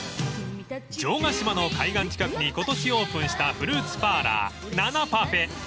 ［城ヶ島の海岸近くに今年オープンしたフルーツパーラーｎａｎａｐａｒｆａｉｔ］